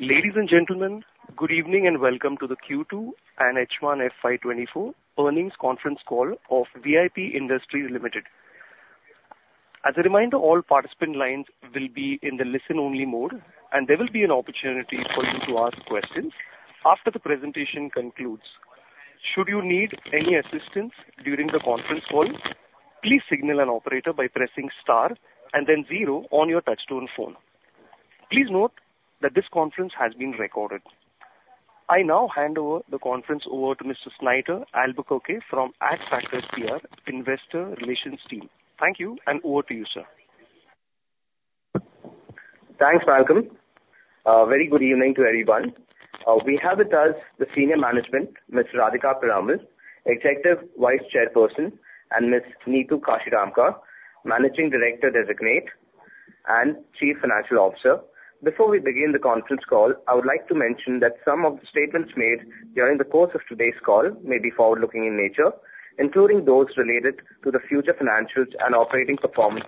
Ladies and gentlemen, good evening, and welcome to the Q2 and H1 FY 2024 earnings conference call of VIP Industries Limited. As a reminder, all participant lines will be in the listen-only mode, and there will be an opportunity for you to ask questions after the presentation concludes. Should you need any assistance during the conference call, please signal an operator by pressing star and then zero on your touchtone phone. Please note that this conference has been recorded. I now hand over the conference to Mr. Snighter Albuquerque from Adfactors PR, Investor Relations team. Thank you, and over to you, sir. Thanks, Malcolm. Very good evening to everyone. We have with us the senior management, Ms. Radhika Piramal, Executive Vice Chairperson, and Ms. Neetu Kashiramka, Managing Director Designate and Chief Financial Officer. Before we begin the conference call, I would like to mention that some of the statements made during the course of today's call may be forward-looking in nature, including those related to the future financials and operating performance,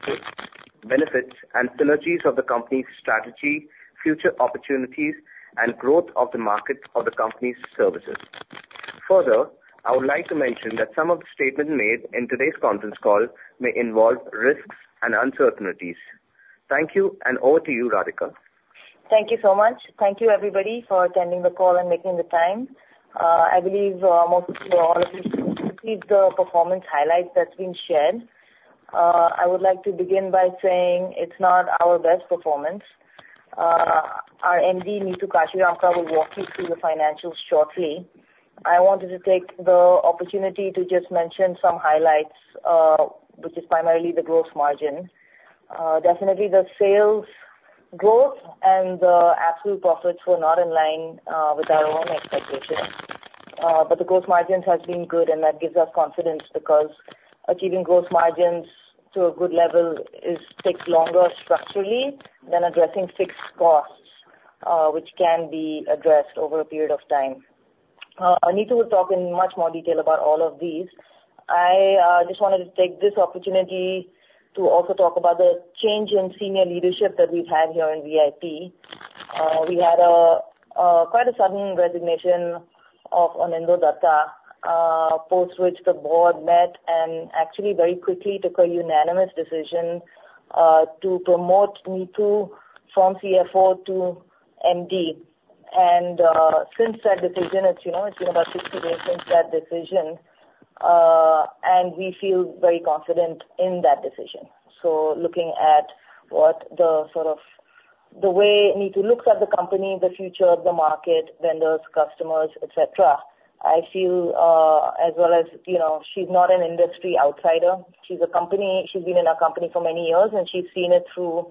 benefits and synergies of the company's strategy, future opportunities, and growth of the market of the company's services. Further, I would like to mention that some of the statements made in today's conference call may involve risks and uncertainties. Thank you, and over to you, Radhika. Thank you so much. Thank you, everybody, for attending the call and making the time. I believe most of you all received the performance highlights that's been shared. I would like to begin by saying it's not our best performance. Our MD, Neetu Kashiramka, will walk you through the financials shortly. I wanted to take the opportunity to just mention some highlights, which is primarily the gross margins. Definitely the sales growth and the absolute profits were not in line with our own expectations. But the gross margins has been good, and that gives us confidence because achieving gross margins to a good level takes longer structurally than addressing fixed costs, which can be addressed over a period of time. Neetu will talk in much more detail about all of these. I just wanted to take this opportunity to also talk about the change in senior leadership that we've had here in VIP. We had a quite sudden resignation of Anindya Dutta, post which the board met and actually very quickly took a unanimous decision to promote Neetu from CFO to MD. And since that decision, it's, you know, it's been about six days since that decision, and we feel very confident in that decision. So looking at what the sort of, the way Neetu looks at the company, the future of the market, vendors, customers, et cetera, I feel, as well as, you know, she's not an industry outsider. She's a company... She's been in our company for many years, and she's seen it through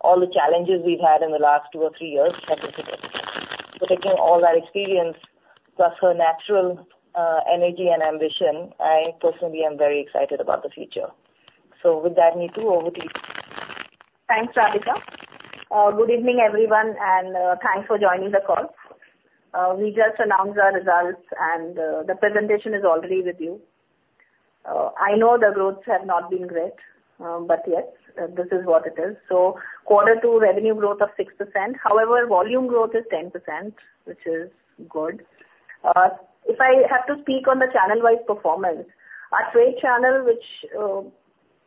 all the challenges we've had in the last two or three years. So taking all that experience, plus her natural energy and ambition, I personally am very excited about the future. So with that, Neetu, over to you. Thanks, Radhika. Good evening, everyone, and thanks for joining the call. We just announced our results, and the presentation is already with you. I know the growth has not been great, but yet this is what it is. So quarter two revenue growth of 6%. However, volume growth is 10%, which is good. If I have to speak on the channel-wise performance, our trade channel, which,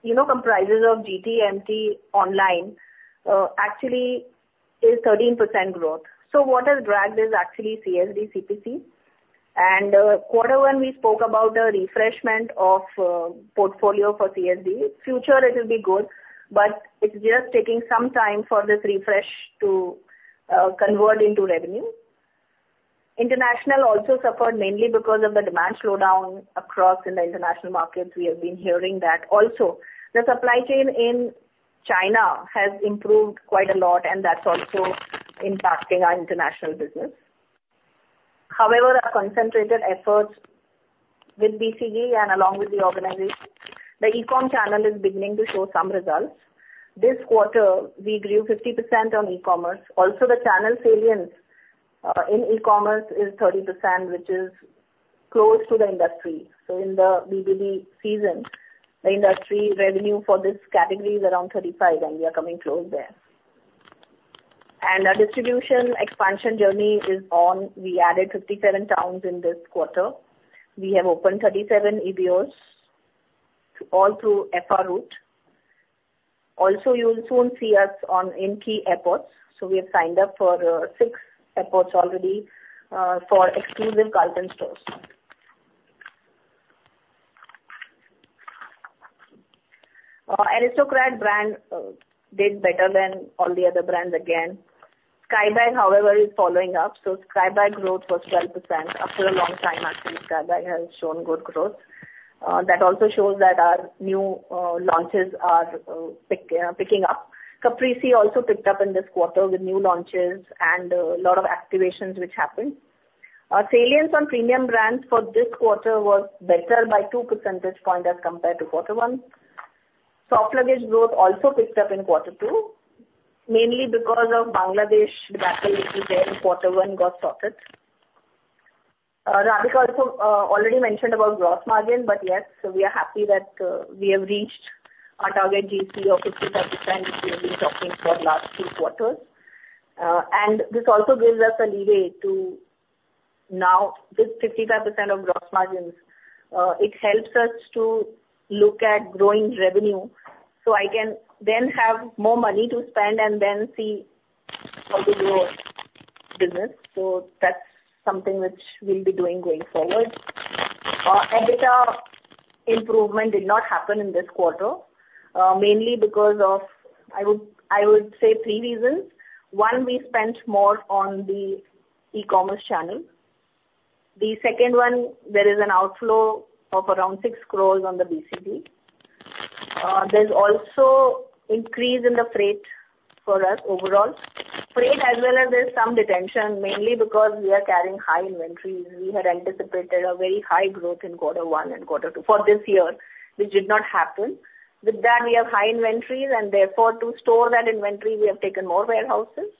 you know, comprises of GT, MT, online, actually is 13% growth. So what has dragged is actually CSD, CPC. And quarter one, we spoke about the refreshment of portfolio for CSD. Future, it will be good, but it's just taking some time for this refresh to convert into revenue. International also suffered, mainly because of the demand slowdown across in the international markets. We have been hearing that. Also, the supply chain in China has improved quite a lot, and that's also impacting our international business. However, our concentrated efforts with BCG and along with the organization, the e-com channel is beginning to show some results. This quarter, we grew 50% on e-commerce. Also, the channel salience in e-commerce is 30%, which is close to the industry. So in the BBD season, the industry revenue for this category is around 35%, and we are coming close there. And our distribution expansion journey is on. We added 57 towns in this quarter. We have opened 37 EBOs, all through FA route. Also, you'll soon see us on, in key airports. So we have signed up for 6 airports already for exclusive Carlton stores. Aristocrat brand did better than all the other brands again. Skybags, however, is following up, so Skybags growth was 12%. After a long time, actually, Skybags has shown good growth. That also shows that our new launches are picking up. Caprese also picked up in this quarter with new launches and a lot of activations which happened. Our salience on premium brands for this quarter was better by two percentage points as compared to Q1. Soft luggage growth also picked up inQ2, mainly because of Bangladesh, where Q1 got sorted. Radhika also already mentioned about gross margin, but yes, we are happy that we have reached our target GP of 55%, we have been talking for last three quarters. And this also gives us a leeway to now, this 55% of gross margins, it helps us to look at growing revenue, so I can then have more money to spend and then see how to grow business. So that's something which we'll be doing going forward. Our EBITDA improvement did not happen in this quarter, mainly because of I would, I would say three reasons: One, we spent more on the e-commerce channel. The second one, there is an outflow of around 6 crore on the BCG. There's also increase in the freight for us overall. Freight, as well as there's some detention, mainly because we are carrying high inventories. We had anticipated a very high growth inQ1 and Q2 for this year, which did not happen. With that, we have high inventories, and therefore, to store that inventory, we have taken more warehouses.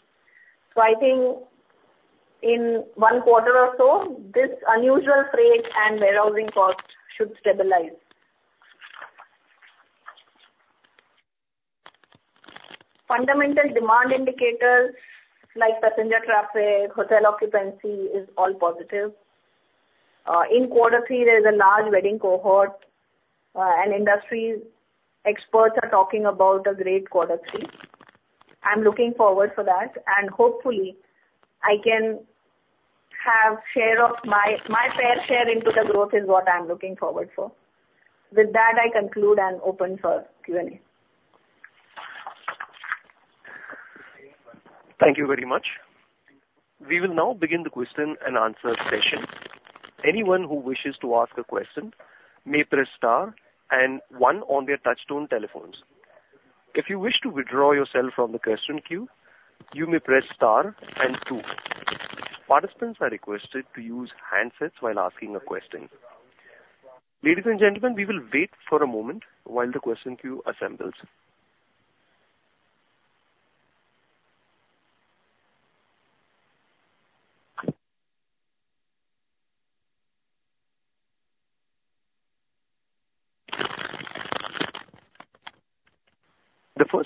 So I think in Q1 or so, this unusual freight and warehousing costs should stabilize. Fundamental demand indicators, like passenger traffic, hotel occupancy, is all positive. In Q3, there is a large wedding cohort, and industry experts are talking about a great Q3. I'm looking forward for that, and hopefully I can have share of my... My fair share into the growth is what I'm looking forward for. With that, I conclude and open for Q&A. Thank you very much. We will now begin the question and answer session. Anyone who wishes to ask a question may press star and one on their touchtone telephones. If you wish to withdraw yourself from the question queue, you may press star and two. Participants are requested to use handsets while asking a question. Ladies and gentlemen, we will wait for a moment while the question queue assembles.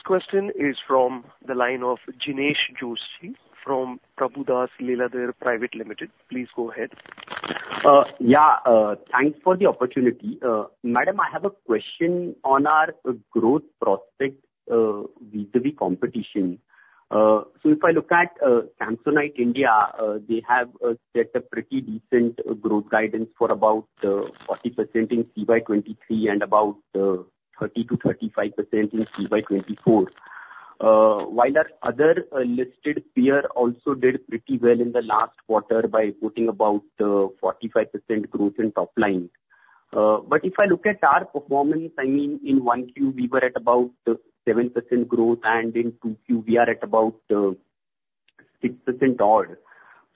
The first question is from the line of Jinesh Joshi from Prabhudas Lilladher Private Limited. Please go ahead. Yeah, thanks for the opportunity. Madam, I have a question on our growth prospect vis-à-vis competition. So if I look at Samsonite India, they have set a pretty decent growth guidance for about 40% in CY 2023 and about 30%-35% in CY 2024. While our other listed peer also did pretty well in the last quarter by putting about 45% growth in top line. But if I look at our performance, I mean, in Q1, we were at about 7% growth, and in Q2, we are at about 6% odd.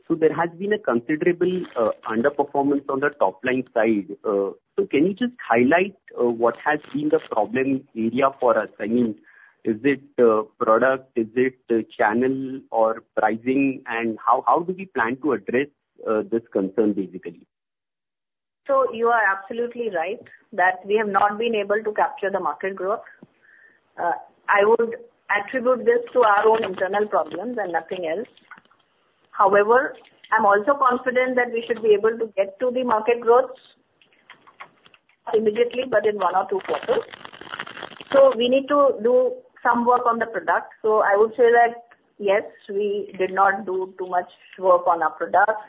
So there has been a considerable underperformance on the top-line side. So can you just highlight what has been the problem area for us? I mean, is it product, is it channel or pricing? And how do we plan to address this concern, basically? So you are absolutely right, that we have not been able to capture the market growth. I would attribute this to our own internal problems and nothing else. However, I'm also confident that we should be able to get to the market growth immediately, but in one or two quarters. So we need to do some work on the product. So I would say that, yes, we did not do too much work on our product.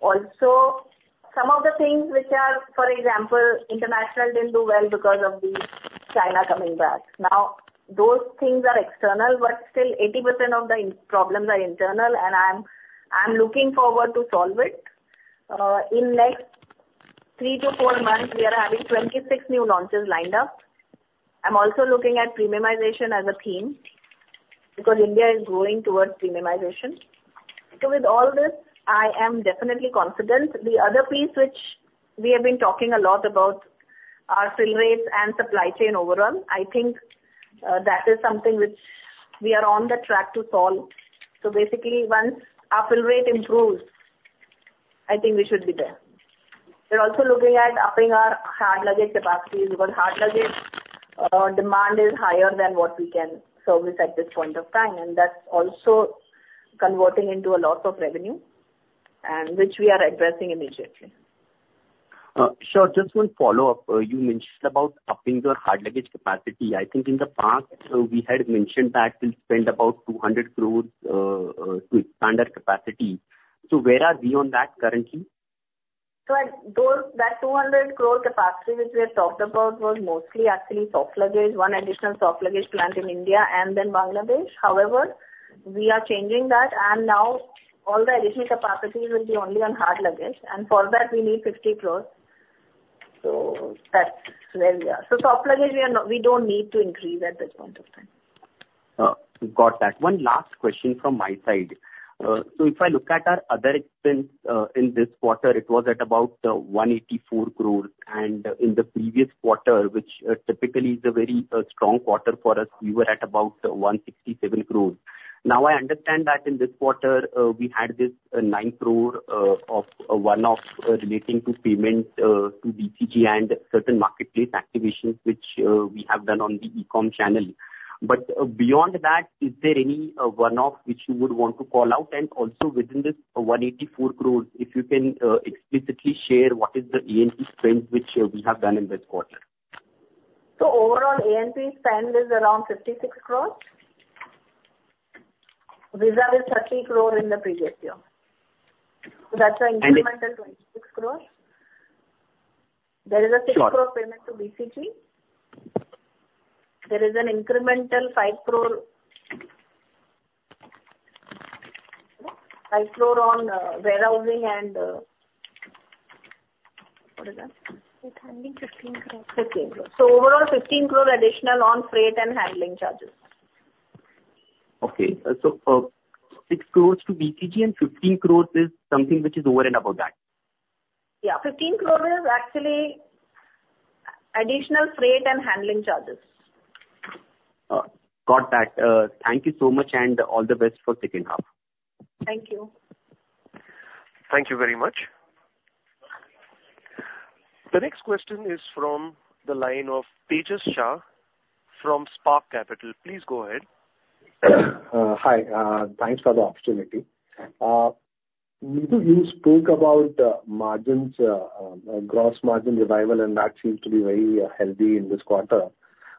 Also, some of the things which are, for example, international, didn't do well because of the China coming back. Now, those things are external, but still 80% of the internal problems are internal, and I'm, I'm looking forward to solve it. In next three to four months, we are having 26 new launches lined up. I'm also looking at premiumization as a theme, because India is growing towards premiumization. So with all this, I am definitely confident. The other piece which we have been talking a lot about are fill rates and supply chain overall. I think, that is something which we are on the track to solve. So basically, once our fill rate improves, I think we should be there. We're also looking at upping our hard luggage capacities, because hard luggage, demand is higher than what we can service at this point of time, and that's also converting into a lot of revenue, and which we are addressing immediately. Sure. Just one follow-up. You mentioned about upping your hard luggage capacity. I think in the past, we had mentioned that we'll spend about 200 crore to expand our capacity. So where are we on that currently? So at those... That 200 crore capacity, which we had talked about, was mostly actually soft luggage, one additional soft luggage plant in India and then Bangladesh. However, we are changing that, and now all the additional capacities will be only on hard luggage, and for that we need 50 crores. So that's where we are. So soft luggage, we are not- we don't need to increase at this point of time. Got that. One last question from my side. So if I look at our other expense, in this quarter, it was at about 184 crore, and in the previous quarter, which typically is a very strong quarter for us, we were at about 167 crore. Now, I understand that in this quarter, we had this 9 crore of one-off relating to payment to BCG and certain marketplace activations, which we have done on the e-com channel. But beyond that, is there any one-off which you would want to call out? And also within this 184 crores, if you can explicitly share what is the A&P spend which we have done in this quarter. So overall, A&P spend is around 56 crore. VIP is 30 crore in the previous year. So that's an incremental- And- 26 crore. There is a 6 crore payment to BCG. There is an incremental 5 crore, 5 crore on warehousing and what is that? With handling, 15 crore. 15 crore. So overall, 15 crore additional on freight and handling charges. Okay. So, 6 crores to BCG and 15 crores is something which is over and above that? Yeah. 15 crore is actually additional freight and handling charges. Got that. Thank you so much, and all the best for second half. Thank you. Thank you very much. The next question is from the line of Tejas Shah from Spark Capital. Please go ahead. Hi. Thanks for the opportunity. Neetu, you spoke about margins, gross margin revival, and that seems to be very healthy in this quarter.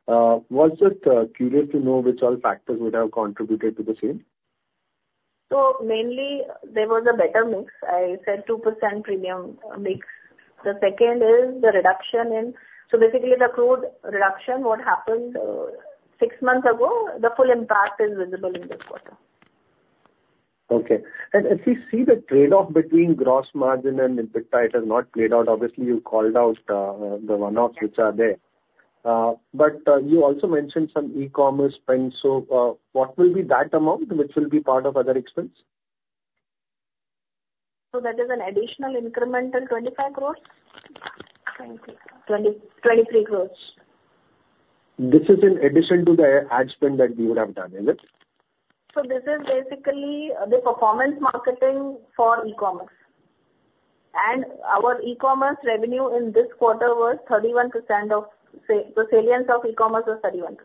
Was just curious to know which all factors would have contributed to the same? So mainly, there was a better mix. I said 2% premium mix. The second is the reduction in... So basically, the crude reduction, what happened six months ago, the full impact is visible in this quarter. Okay. And if you see the trade-off between gross margin and EBITDA, it has not played out. Obviously, you called out the one-offs which are there. But you also mentioned some e-commerce spend. So, what will be that amount, which will be part of other expense? That is an additional incremental, 25 crore? 23 crores. 23 crores. This is in addition to the ad spend that we would have done, is it? This is basically the performance marketing for e-commerce. Our e-commerce revenue in this quarter was 31% of sales. The salience of e-commerce was 31%.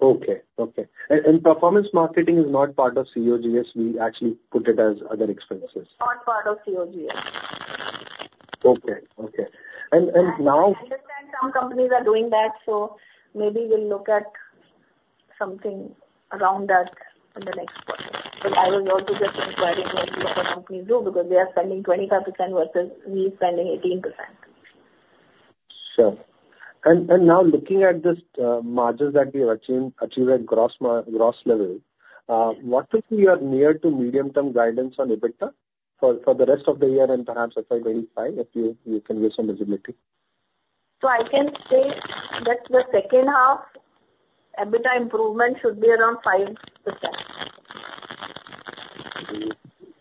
Okay. Okay. And performance marketing is not part of COGS. We actually put it as other expenses. Not part of COGS. Okay, okay. And now- I understand some companies are doing that, so maybe we'll look at something around that in the next quarter. But I will also just inquire into what other companies do, because they are spending 25% versus we spending 18%. Sure. And now looking at this, margins that we have achieved at gross level, what if we are near to medium-term guidance on EBITDA for the rest of the year and perhaps FY 2025, if you can give some visibility? I can say that the second half, EBITDA improvement should be around 5%.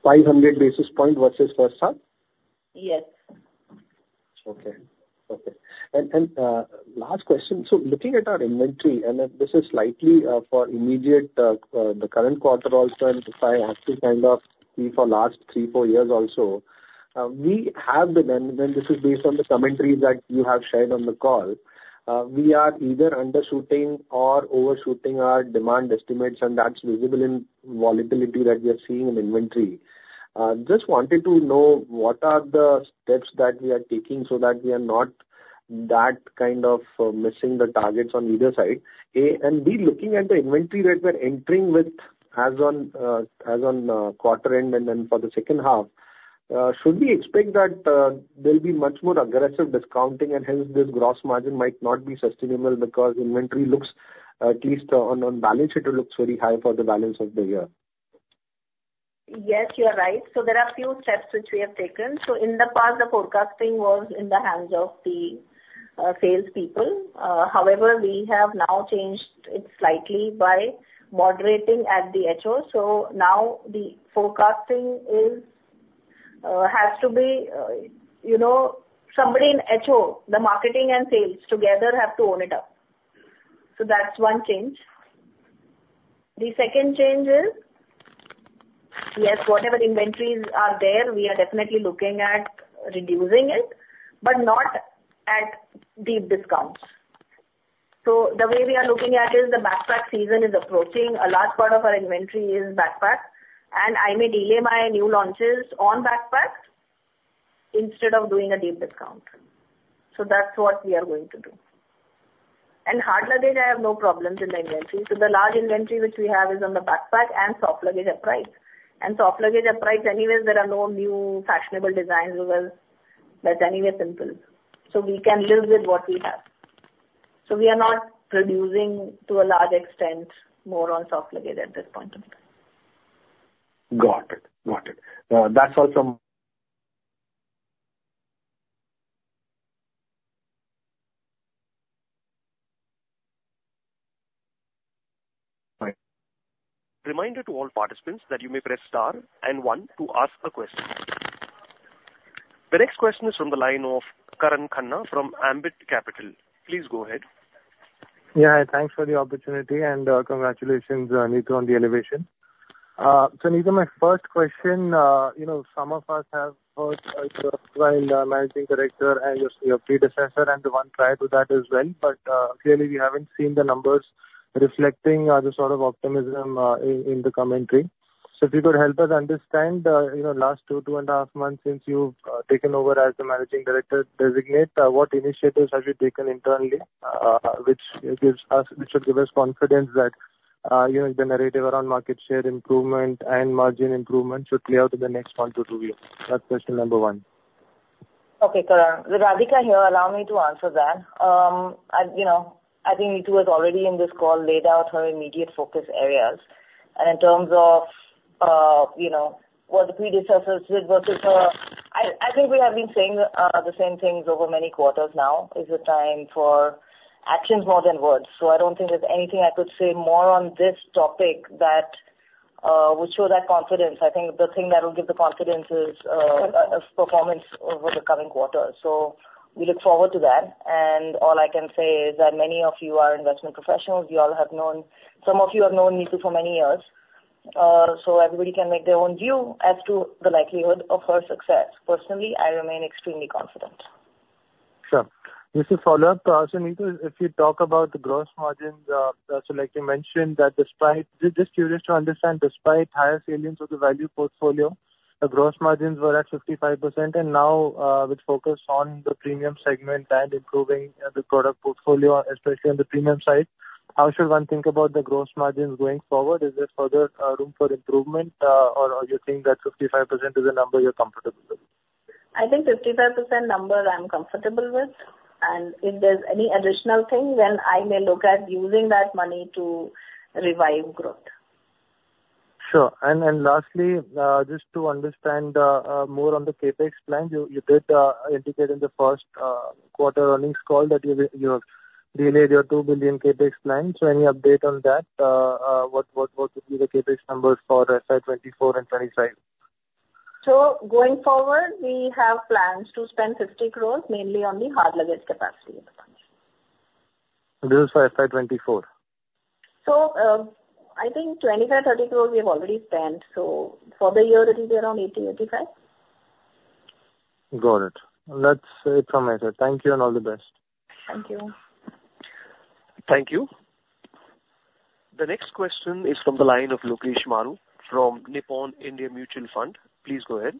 500 basis points versus first half? Yes. Okay. Last question: so looking at our inventory, and then this is slightly for immediate the current quarter also, and if I have to kind of see for last three, four years also, we have been, and this is based on the commentary that you have shared on the call. We are either undershooting or overshooting our demand estimates, and that's visible in the volatility that we are seeing in inventory. Just wanted to know what are the steps that we are taking so that we are not that kind of missing the targets on either side, A. And B, looking at the inventory that we're entering with as on quarter end and then for the second half, should we expect that there'll be much more aggressive discounting and hence this gross margin might not be sustainable? Because inventory looks, at least on balance sheet, it looks very high for the balance of the year. Yes, you are right. So there are a few steps which we have taken. So in the past, the forecasting was in the hands of the salespeople. However, we have now changed it slightly by moderating at the HO. So now the forecasting is has to be you know somebody in HO, the marketing and sales together have to own it up. So that's one change. The second change is, yes, whatever inventories are there, we are definitely looking at reducing it, but not at deep discounts. So the way we are looking at is the backpack season is approaching. A large part of our inventory is backpacks, and I may delay my new launches on backpacks instead of doing a deep discount. So that's what we are going to do. And hard luggage, I have no problems in the inventory. So the large inventory which we have is on the backpack and soft luggage upright. And soft luggage upright, anyways, there are no new fashionable designs as well. That's anyway simple. So we can live with what we have. So we are not producing to a large extent, more on soft luggage at this point in time. Got it. Got it. That's all from... Bye. Reminder to all participants that you may press star and one to ask a question. The next question is from the line of Karan Khanna from Ambit Capital. Please go ahead. Yeah, thanks for the opportunity, and, congratulations, Neetu, on the elevation. So Neetu, my first question, you know, some of us have heard Managing Director and your, your predecessor, and the one prior to that as well, but, clearly we haven't seen the numbers reflecting, the sort of optimism, in the commentary. So if you could help us understand, you know, last two, two and a half months since you've, taken over as the Managing Director-designate, what initiatives have you taken internally, which gives us-- which should give us confidence that, you know, the narrative around market share improvement and margin improvement should clear out in the next one to two years? That's question number one. Okay, Karan. Radhika here. Allow me to answer that. I, you know, I think Neetu has already in this call laid out her immediate focus areas. And in terms of, you know, what the predecessors did versus her, I, I think we have been saying, the same things over many quarters now. It's a time for actions more than words. So I don't think there's anything I could say more on this topic that, would show that confidence. I think the thing that will give the confidence is, performance over the coming quarters. So we look forward to that. And all I can say is that many of you are investment professionals. You all have known... Some of you have known Neetu for many years. So everybody can make their own view as to the likelihood of her success. Personally, I remain extremely confident. Sure. Just a follow-up to ask you, Neetu, if you talk about the gross margins, so like you mentioned, that despite, just curious to understand, despite higher salience of the value portfolio, the gross margins were at 55%, and now, with focus on the premium segment and improving, the product portfolio, especially on the premium side, how should one think about the gross margins going forward? Is there further, room for improvement, or you think that 55% is the number you're comfortable with? I think 55% number I'm comfortable with, and if there's any additional thing, then I may look at using that money to revive growth. Sure. And lastly, just to understand more on the CapEx plan, you did indicate in the Q1 earnings call that you have relayed your 2 billion CapEx plan. So any update on that? What would be the CapEx numbers for FY 2024 and 2025? Going forward, we have plans to spend 50 crores mainly on the hard luggage capacity. This is for FY 2024? So, I think 25-30 crores we have already spent. So for the year, it will be around 80-85 crores. Got it. That's it from my side. Thank you, and all the best. Thank you. Thank you. The next question is from the line of Lokesh Maru from Nippon India Mutual Fund. Please go ahead.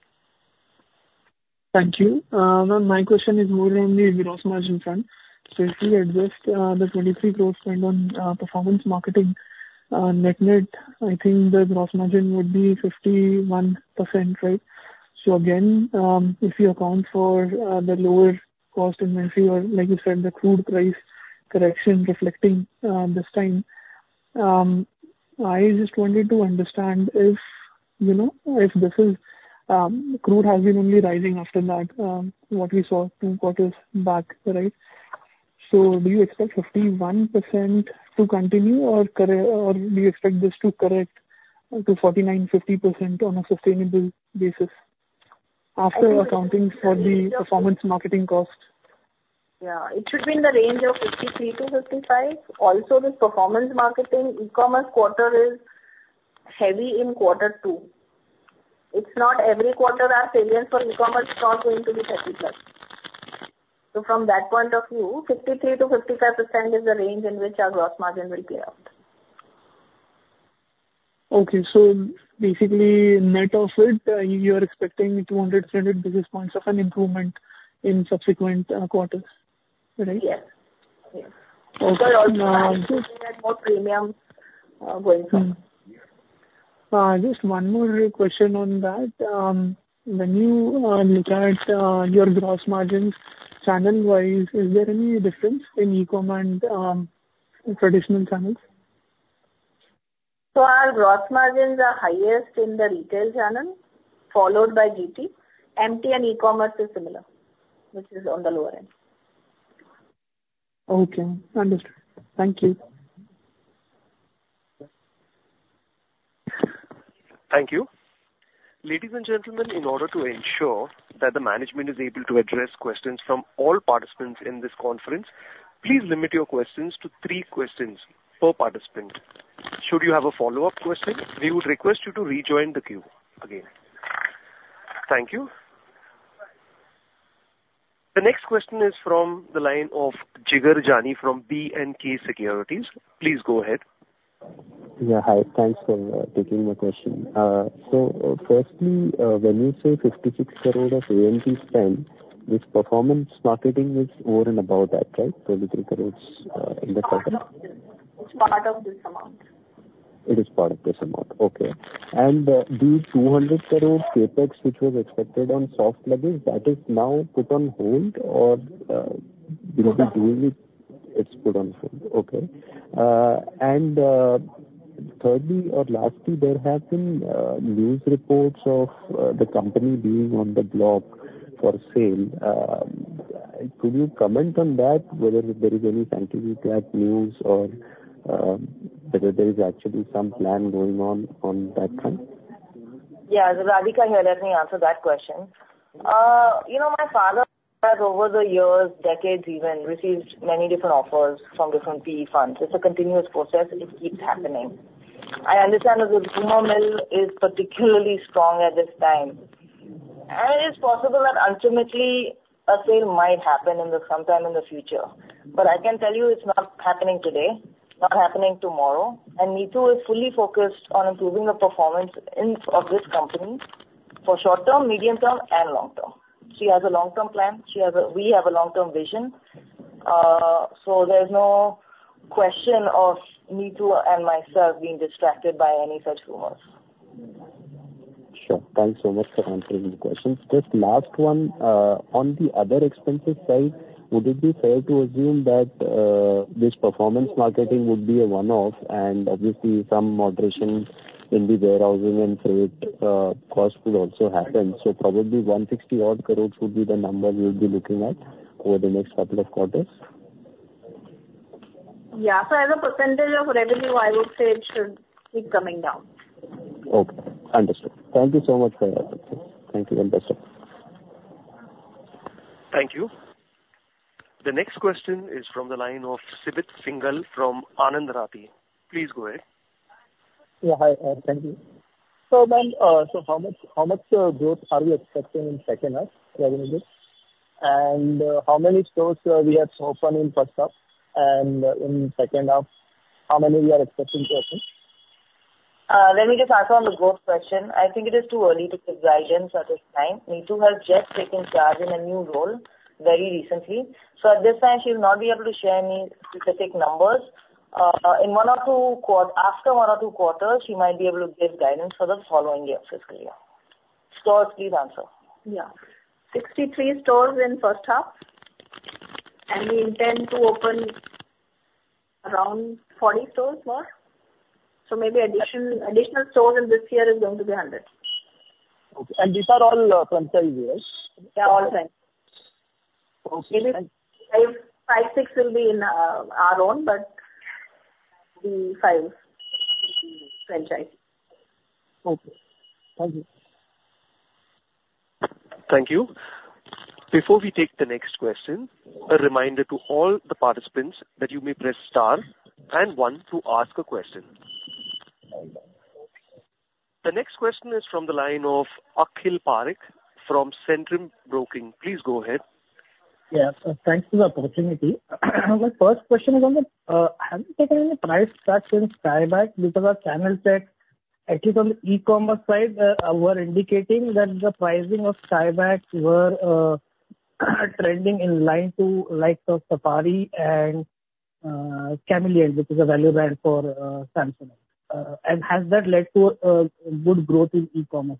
Thank you. Ma'am, my question is more on the gross margin front. So if you adjust the 23 crore spend on performance marketing, net-net, I think the gross margin would be 51%, right? So again, if you account for the lower cost inventory or like you said, the crude price correction reflecting this time, I just wanted to understand if, you know, if this is, crude has been only rising after that, what we saw two quarters back, right? So do you expect 51% to continue or correct to 49%-50% on a sustainable basis after accounting for the performance marketing cost? Yeah. It should be in the range of 53-55. Also, this performance marketing, e-commerce quarter is heavy in Q2. It's not every quarter our sales for e-commerce cross into the 50+. So from that point of view, 53%-55% is the range in which our gross margin will play out. Okay. So basically, net of it, you are expecting 200-300 basis points of an improvement in subsequent quarters, right? Yes. Yes. Okay, um- More premium, going forward. Just one more question on that. When you look at your gross margins channel-wise, is there any difference in e-commerce and traditional channels? Our gross margins are highest in the retail channel, followed by GT. MT and e-commerce is similar, which is on the lower end. Okay, understood. Thank you. Thank you. Ladies and gentlemen, in order to ensure that the management is able to address questions from all participants in this conference, please limit your questions to three questions per participant. Should you have a follow-up question, we would request you to rejoin the queue again. Thank you. The next question is from the line of Jigar Jani from B&K Securities. Please go ahead. Yeah, hi. Thanks for taking my question. So firstly, when you say 56 crore of A&P spend, this performance marketing is over and above that, right? 33 crore in the quarter. It's part of this amount. It is part of this amount. Okay. And, these 200 crore CapEx, which was expected on soft luggage, that is now put on hold or, you know, doing it? It's put on hold. It's put on hold. Okay. And, thirdly or lastly, there have been news reports of the company being on the block for sale.... Could you comment on that, whether there is any tentative track news or, whether there is actually some plan going on, on that front? Yeah. Radhika here, let me answer that question. You know, my father has over the years, decades even, received many different offers from different PE funds. It's a continuous process, it keeps happening. I understand that the rumor mill is particularly strong at this time, and it is possible that ultimately a sale might happen sometime in the future. But I can tell you it's not happening today, not happening tomorrow, and Neetu is fully focused on improving the performance in, of this company for short term, medium term, and long term. She has a long-term plan. We have a long-term vision. So there's no question of Neetu and myself being distracted by any such rumors. Sure. Thanks so much for answering the questions. Just last one. On the other expenses side, would it be fair to assume that, this performance marketing would be a one-off and obviously some moderation in the warehousing and freight, costs will also happen? So probably 160-odd crore would be the number we would be looking at over the next couple of quarters. Yeah. So as a percentage of revenue, I would say it should keep coming down. Okay. Understood. Thank you so much for your help. Thank you and best of luck. Thank you. The next question is from the line of Shobit Singhal from Anand Rathi. Please go ahead. Yeah, hi, thank you. So then, so how much, how much, growth are we expecting in second half, regularly? And, how many stores, we have to open in first half and in second half, how many we are expecting to open? Let me just answer on the growth question. I think it is too early to give guidance at this time. Neetu has just taken charge in a new role very recently. So at this time she'll not be able to share any specific numbers. After one or two quarters, she might be able to give guidance for the following years, fiscal year. Stores, please answer. Yeah. 63 stores in first half, and we intend to open around 40 stores more. So maybe addition, additional stores in this year is going to be 100. Okay. And these are all franchise, yes? Yeah, all franchise. Okay, thank you. Maybe five, five, six will be in our own, but maybe five franchise. Okay. Thank you. Thank you. Before we take the next question, a reminder to all the participants that you may press star and one to ask a question. The next question is from the line of Akhil Parekh from Centrum Broking. Please go ahead. Yes, thanks for the opportunity. My first question is on the, have you taken any price cuts in Skybags? Because our channel check, at least on the e-commerce side, were indicating that the pricing of Skybags were, trending in line to likes of Safari and, Kamiliant, which is a value brand for, Samsonite. And has that led to, good growth in e-commerce?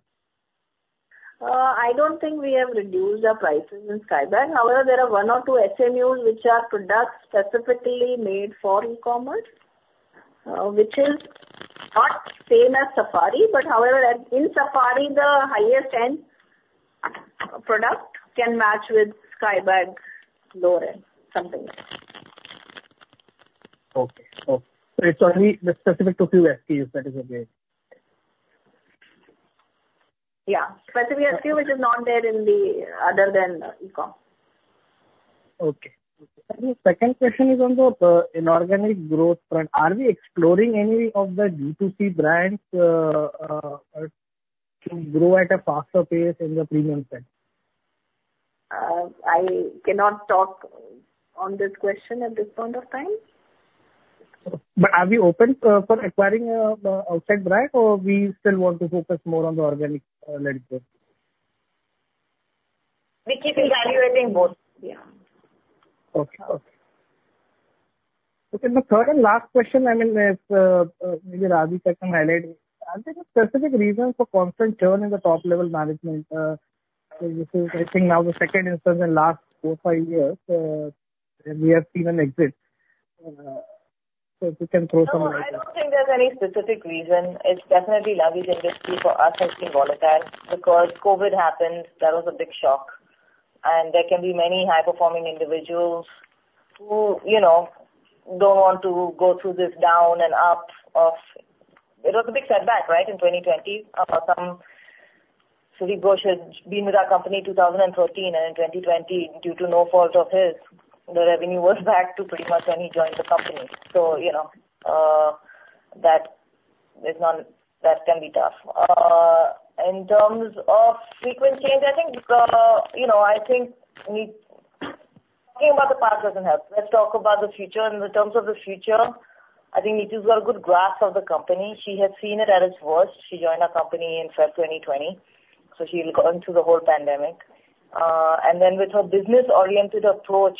I don't think we have reduced our prices in Skybags. However, there are one or two SMUs which are products specifically made for e-commerce, which is not same as Safari, but however, as in Safari, the highest end product can match with Skybags lower end, something like that. Okay. So it's only specific to few SKUs, that is okay. Yeah. Specific SKU, which is not there in the other than e-com. Okay. And the second question is on the inorganic growth front. Are we exploring any of the B2C brands to grow at a faster pace in the premium segment? I cannot talk on this question at this point of time. But are we open for acquiring the outside brand, or we still want to focus more on the organic-led growth? We will be evaluating both. Yeah. The third and last question, I mean, maybe Radhika can highlight, are there specific reasons for constant churn in the top-level management? This is, I think, now the second instance in last four-five years, we have seen an exit. So if you can throw some light. No, I don't think there's any specific reason. It's definitely luggage industry for us has been volatile. Because Covid happened, that was a big shock. And there can be many high-performing individuals who, you know, don't want to go through this down and up of... It was a big setback, right? In 2020. So, Sudip Ghose had been with our company 2013, and in 2020, due to no fault of his, the revenue was back to pretty much when he joined the company. So, you know, that is not, that can be tough. In terms of frequent change, I think, you know, I think talking about the past doesn't help. Let's talk about the future. And in terms of the future, I think Neetu's got a good grasp of the company. She has seen it at its worst. She joined our company in February 2020, so she's gone through the whole pandemic. And then with her business-oriented approach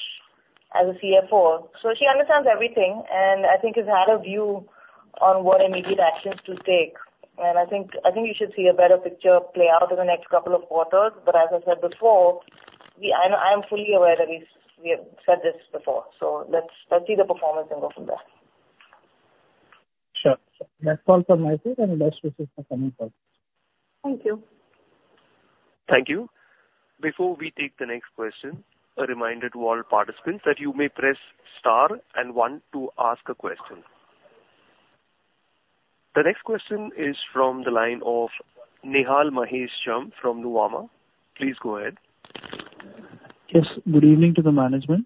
as a CFO, so she understands everything, and I think has had a view on what immediate actions to take. I think we should see a better picture play out in the next couple of quarters. But as I said before, we... I know, I am fully aware that we, we have said this before, so let's, let's see the performance and go from there.... Sure. That's all for my side, and best wishes for coming quarter. Thank you. Thank you. Before we take the next question, a reminder to all participants that you may press star and one to ask a question. The next question is from the line of Nihal Mahesh Jham from Nuvama. Please go ahead. Yes, good evening to the management.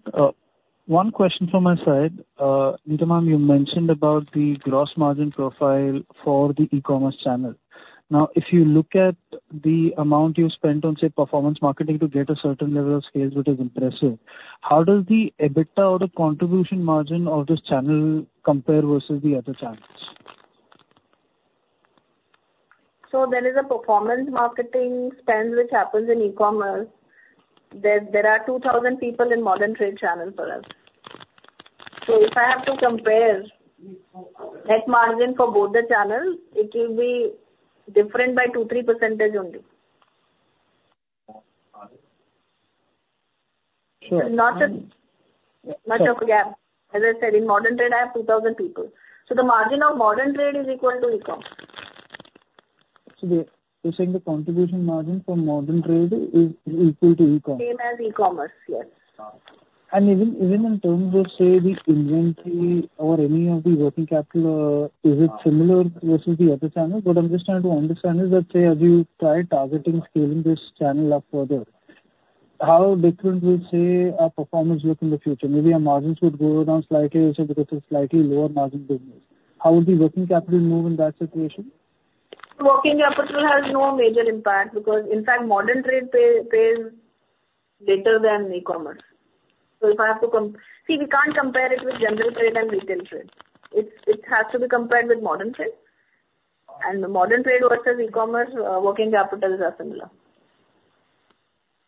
One question from my side. Neetu ma'am, you mentioned about the gross margin profile for the e-commerce channel. Now, if you look at the amount you spent on, say, performance marketing to get a certain level of sales, which is impressive, how does the EBITDA or the contribution margin of this channel compare versus the other channels? There is a performance marketing spend which happens in e-commerce. There are 2,000 people in modern trade channel for us. If I have to compare net margin for both the channels, it will be different by 2%-3% only. Sure. It is not a much of a gap. As I said, in modern trade, I have 2,000 people, so the margin of modern trade is equal to e-com. So you're saying the contribution margin for modern trade is equal to e-com? Same as e-commerce, yes. And even, even in terms of, say, the inventory or any of the working capital, is it similar versus the other channels? What I'm just trying to understand is that, say, as you try targeting scaling this channel up further, how different will, say, our performance look in the future? Maybe our margins would go down slightly also because of slightly lower margin business. How would the working capital move in that situation? Working capital has no major impact because, in fact, modern trade pays better than e-commerce. So if I have to see, we can't compare it with general trade and retail trade. It's, it has to be compared with modern trade. And the modern trade versus e-commerce, working capital is as similar.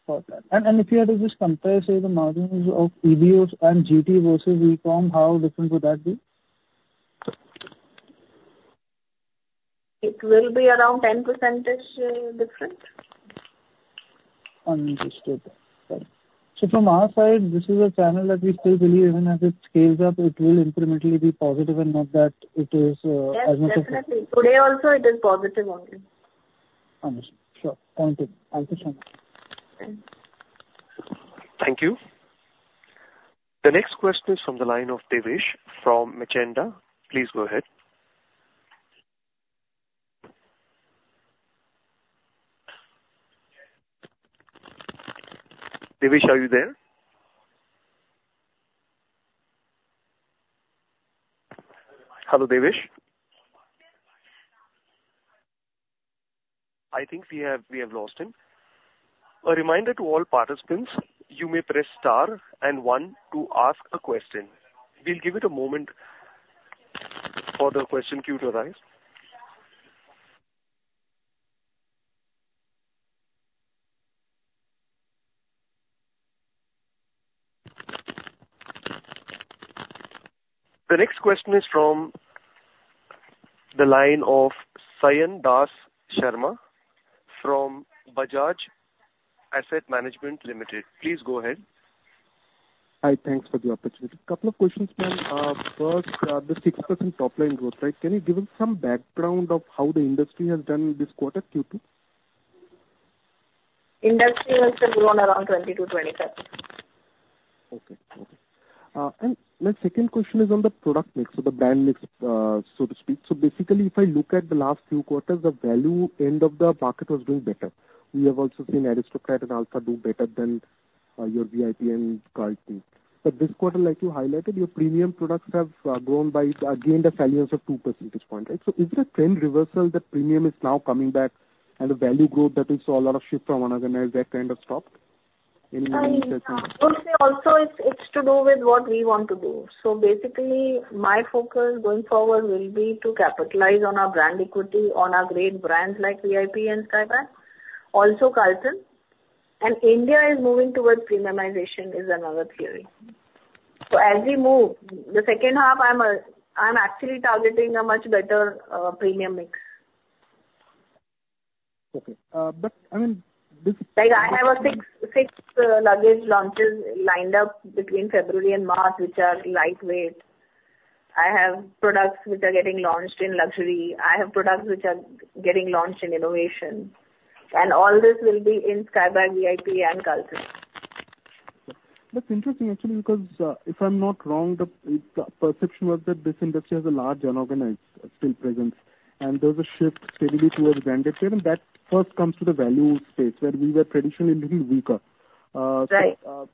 Got that. And if you had to just compare, say, the margins of EBOs and GT versus e-com, how different would that be? It will be around 10%, different. Understood. So from our side, this is a channel that we still believe even as it scales up, it will incrementally be positive and not that it is, as much as- Yes, definitely. Today also, it is positive only. Understood. Sure. Thank you. I appreciate it. Thank you. Thank you. The next question is from the line of Devesh from Macquarie. Please go ahead. Devesh, are you there? Hello, Devesh? I think we have, we have lost him. A reminder to all participants, you may press star and one to ask a question. We'll give it a moment for the question queue to rise. The next question is from the line of Sayan Das Sharma from Bajaj Asset Management Limited. Please go ahead. Hi, thanks for the opportunity. Couple of questions, ma'am. First, the 6% top line growth, right? Can you give us some background of how the industry has done this quarter, Q2? Industry has grown around 20-25. Okay. And my second question is on the product mix, so the brand mix, so to speak. So basically, if I look at the last few quarters, the value end of the market was doing better. We have also seen Aristocrat and Alfa do better than your VIP and Carlton. But this quarter, like you highlighted, your premium products have gained a salience of 2 percentage points, right? So is the trend reversal that premium is now coming back and the value growth that we saw a lot of shift from organized, that kind of stopped in- Also, it's to do with what we want to do. So basically, my focus going forward will be to capitalize on our brand equity, on our great brands like VIP and Skybags, also Carlton. And India is moving towards premiumization is another theory. So as we move the second half, I'm actually targeting a much better premium mix. Okay, but I mean, this- Like, I have six luggage launches lined up between February and March, which are lightweight. I have products which are getting launched in luxury. I have products which are getting launched in innovation. And all this will be in Skybags, VIP and Carlton. That's interesting, actually, because if I'm not wrong, the perception was that this industry has a large unorganized, still presence, and there was a shift steadily towards branded trade, and that first comes to the value space, where we were traditionally little weaker. Right. So,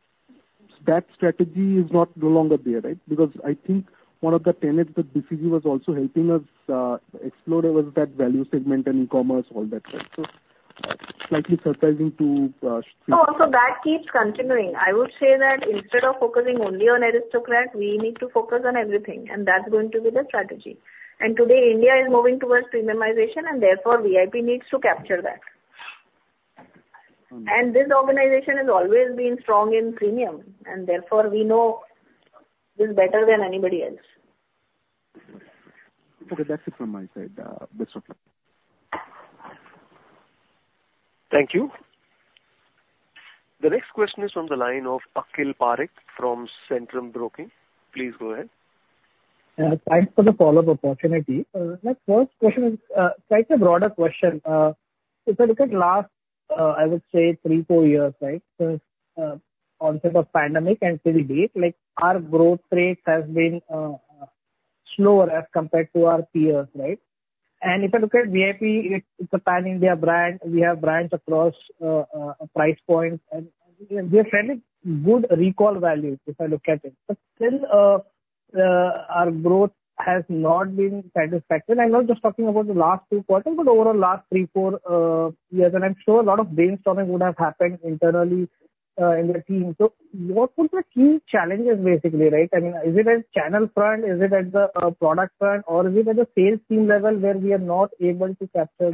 that strategy is not no longer there, right? Because I think one of the tenets that BCG was also helping us explore was that value segment and e-commerce, all that, right? So slightly surprising to see. No, so that keeps continuing. I would say that instead of focusing only on Aristocrat, we need to focus on everything, and that's going to be the strategy. Today, India is moving towards premiumization, and therefore, VIP needs to capture that. Mm-hmm. This organization has always been strong in premium, and therefore, we know this better than anybody else. Okay, that's it from my side. Best of luck.... Thank you. The next question is on the line of Akhil Parekh from Centrum Broking. Please go ahead. Thanks for the follow-up opportunity. My first question is quite a broader question. If I look at last, I would say 3-4 years, right? Since onset of pandemic and till date, like, our growth rate has been slower as compared to our peers, right? If I look at VIP, it's a pan-India brand. We have brands across price points, and we have fairly good recall value if I look at it. But still, our growth has not been satisfactory. I'm not just talking about the last two quarters, but over the last 3-4 years. I'm sure a lot of brainstorming would have happened internally in the team. So what were the key challenges, basically, right? I mean, is it at channel front? Is it at the product front, or is it at the sales team level, where we are not able to capture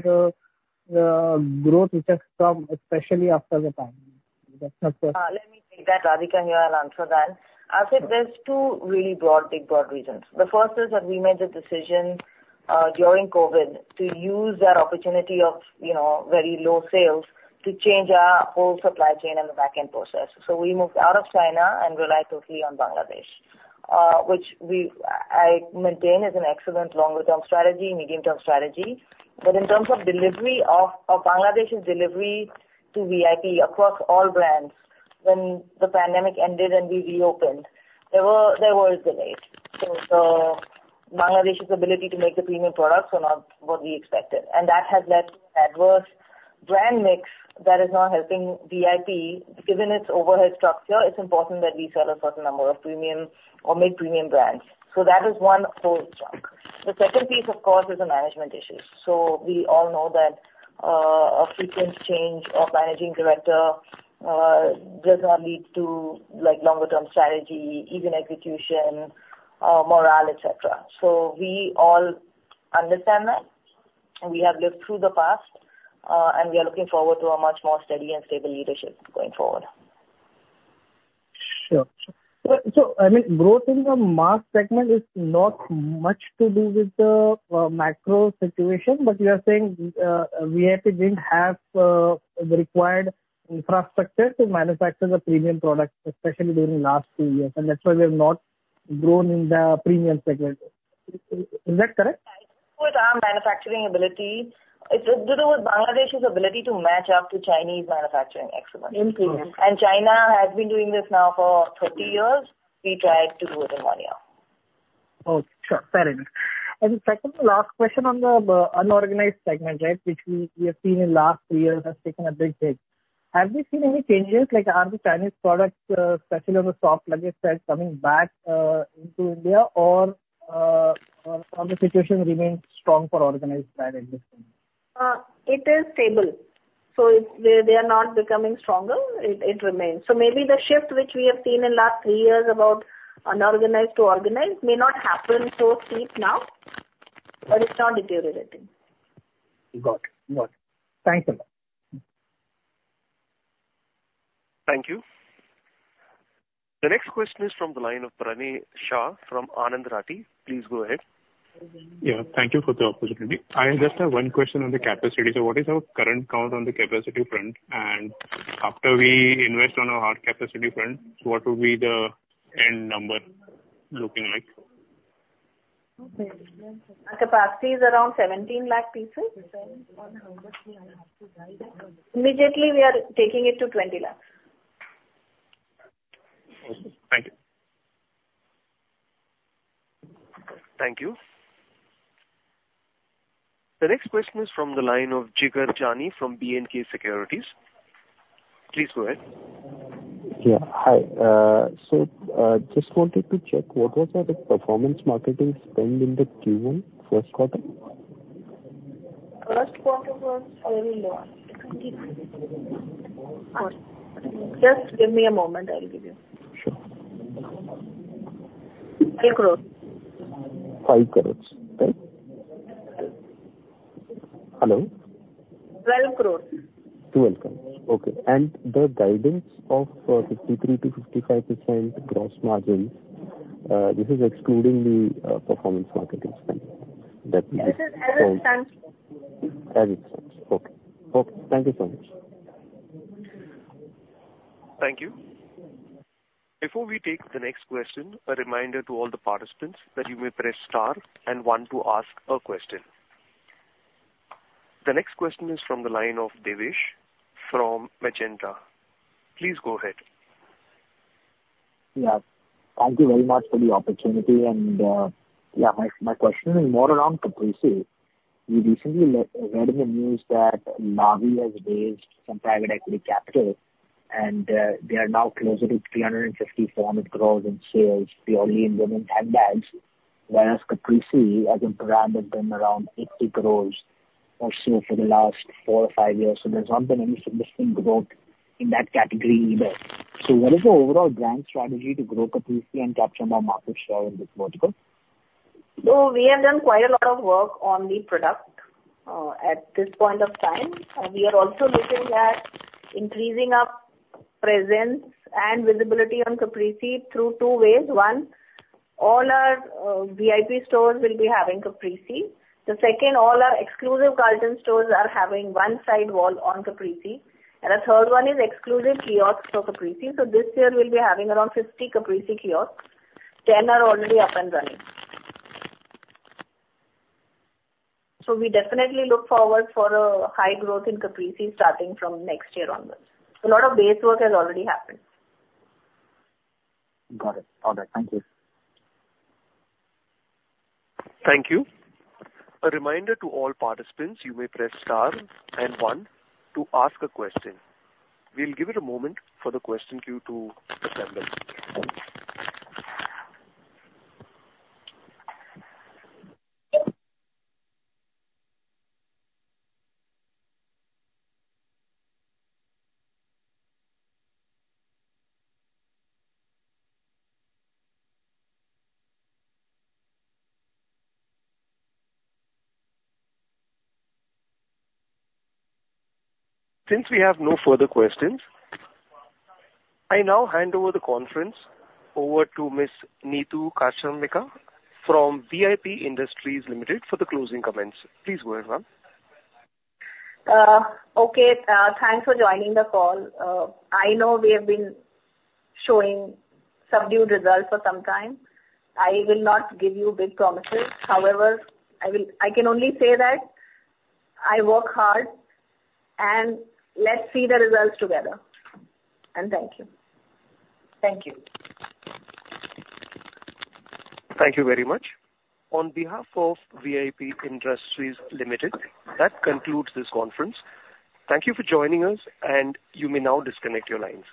the growth which has come, especially after the pandemic? Let me take that. Radhika here. I'll answer that. I'd say there's two really broad, big, broad reasons. The first is that we made the decision during COVID to use that opportunity of, you know, very low sales to change our whole supply chain and the back-end process. So we moved out of China and rely totally on Bangladesh, which we maintain is an excellent longer-term strategy, medium-term strategy. But in terms of delivery of Bangladesh's delivery to VIP across all brands, when the pandemic ended and we reopened, there were delays. So Bangladesh's ability to make the premium products were not what we expected, and that has led to adverse brand mix that is not helping VIP. Given its overhead structure, it's important that we sell a certain number of premium or mid-premium brands. So that is one whole chunk. The second piece, of course, is the management issues. So we all know that, a frequent change of managing director, does not lead to, like, longer term strategy, even execution, morale, et cetera. So we all understand that, and we have lived through the past, and we are looking forward to a much more steady and stable leadership going forward. Sure. So, I mean, growth in the mass segment is not much to do with the macro situation, but you are saying VIP didn't have the required infrastructure to manufacture the premium products, especially during last two years, and that's why we have not grown in the premium segment. Is that correct? With our manufacturing ability, it was Bangladesh's ability to match up to Chinese manufacturing excellence. Mm-hmm. China has been doing this now for 30 years. We tried to do it in 1 year. Oh, sure. Fair enough. And the second to last question on the unorganized segment, right, which we have seen in last three years has taken a big hit. Have we seen any changes? Like, are the Chinese products, especially on the soft luggage side, coming back into India or the situation remains strong for organized brand at this point? It is stable, so it's, they are not becoming stronger. It remains. So maybe the shift which we have seen in last three years about unorganized to organized may not happen so steep now, but it's not deteriorating. Got it. Got it. Thanks a lot. Thank you. The next question is from the line of Pranay Shah from Anand Rathi. Please go ahead. Yeah, thank you for the opportunity. I just have one question on the capacity. So what is our current count on the capacity front? And after we invest on our capacity front, what will be the end number looking like? Our capacity is around 17 lakh pieces. Immediately, we are taking it to 20 lakhs. Thank you. Thank you. The next question is from the line of Jigar Jani from B&K Securities. Please go ahead. Yeah, hi. So, just wanted to check, what was our performance marketing spend in the Q1 first quarter? First quarter was very low. Just give me a moment, I'll give you. Sure. Eight crores. 5 crores, right? Hello? Twelve crores. 12 crore. Okay. And the guidance of 53%-55% gross margins, this is excluding the performance marketing spend? That- This is as it stands. As it stands. Okay. Okay, thank you so much. Thank you. Before we take the next question, a reminder to all the participants that you may press star and one to ask a question. The next question is from the line of Devesh from Macquarie. Please go ahead. Yeah, thank you very much for the opportunity. And, yeah, my, my question is more around Caprese. We recently read in the news that Lavie has raised some private equity capital, and, they are now closer to 350-400 crores in sales purely in women handbags. Whereas Caprese, as a brand, has been around 80 crores or so for the last four or five years, so there's not been any significant growth in that category either. So what is the overall brand strategy to grow Caprese and capture more market share in this vertical? We have done quite a lot of work on the product, at this point of time, and we are also looking at increasing our-... presence and visibility on Caprese through two ways. One, all our VIP stores will be having Caprese. The second, all our exclusive Carlton stores are having one side wall on Caprese, and the third one is exclusive kiosks for Caprese. So this year we'll be having around 50 Caprese kiosks. 10 are already up and running. So we definitely look forward for a high growth in Caprese, starting from next year onwards. A lot of base work has already happened. Got it. All right, thank you. Thank you. A reminder to all participants, you may press star and one to ask a question. We'll give it a moment for the question queue to establish. Since we have no further questions, I now hand over the conference to Ms. Neetu Kashiramka from VIP Industries Limited, for the closing comments. Please go ahead, ma'am. Okay. Thanks for joining the call. I know we have been showing subdued results for some time. I will not give you big promises. However, I will. I can only say that I work hard, and let's see the results together. Thank you. Thank you. Thank you very much. On behalf of VIP Industries Limited, that concludes this conference. Thank you for joining us, and you may now disconnect your lines.